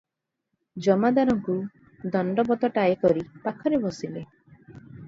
ଜମାଦାରଙ୍କୁ ଦଣ୍ଡବତଟାଏ କରି ପାଖରେ ବସିଲେ ।